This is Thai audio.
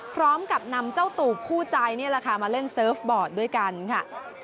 พร้อมกับนำเจ้าตูกคู่ใจมาเล่นเซิร์ฟบอร์ดด้วยกันค่ะ